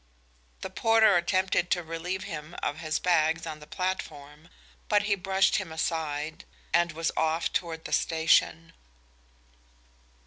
The porter attempted to relieve him of his bags on the platform, but he brushed him aside and was off toward the station.